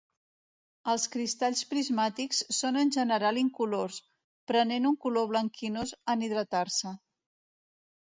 Els cristalls prismàtics són en general incolors, prenent un color blanquinós en hidratar-se.